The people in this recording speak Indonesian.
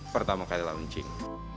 pertama kali launching